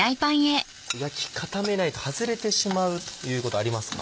焼き固めないと外れてしまうということありますか？